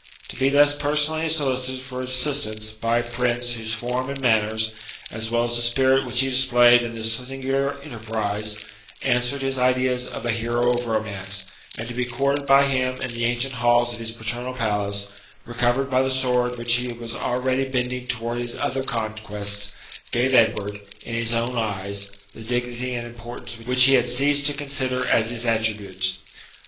To be thus personally solicited for assistance by a prince whose form and manners, as well as the spirit which he displayed in this singular enterprise, answered his ideas of a hero of romance; to be courted by him in the ancient halls of his paternal palace, recovered by the sword which he was already bending towards other conquests, gave Edward, in his own eyes, the dignity and importance which he had ceased to consider as his attributes.